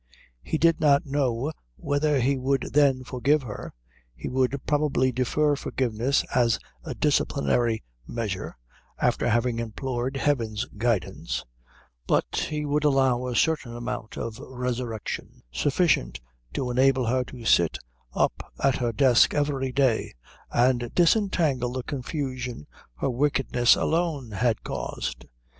He did not know whether he would then forgive her he would probably defer forgiveness as a disciplinary measure, after having implored heaven's guidance but he would allow a certain amount of resurrection, sufficient to enable her to sit up at her desk every day and disentangle the confusion her wickedness alone had caused.